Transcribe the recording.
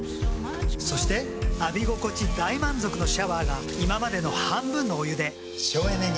そして浴び心地大満足のシャワーが今までの半分のお湯で省エネに。